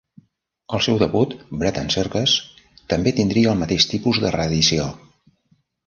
El seu debut, "Bread and Circus" també tindria el mateix tipus de reedició.